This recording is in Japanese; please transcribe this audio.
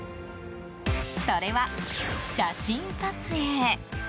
それは写真撮影。